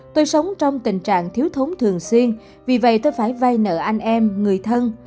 tôi sống trong tình trạng thiếu thống thường xuyên vì vậy tôi phải vay nợ anh em người thân